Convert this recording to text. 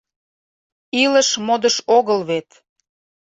Илыш модыш огыл вет